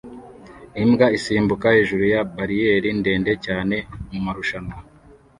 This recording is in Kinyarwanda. Imbwa isimbuka hejuru ya bariyeri ndende cyane mumarushanwa